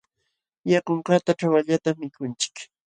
Yakunkaqta ćhawallatam mikunchik.